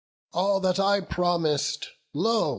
All that I promis'd, lo!